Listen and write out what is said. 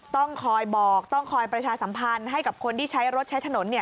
ต้องคอยบอกต้องคอยประชาสัมพันธ์ให้กับคนที่ใช้รถใช้ถนน